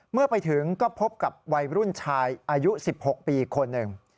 เมื่อไปถึงก็พบกับวัยรุ่นชายอายุ๑๖ปีคนหนึ่ง